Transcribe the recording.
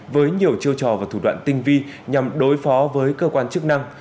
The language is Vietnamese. với nhiều chiêu trò và thủ đoạn tinh vi nhằm đối phó với cơ quan chức năng